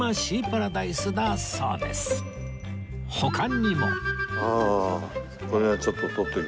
他にも